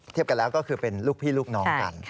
กันแล้วก็คือเป็นลูกพี่ลูกน้องกัน